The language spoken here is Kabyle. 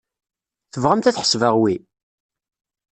Tebɣamt ad ḥesbeɣ wi?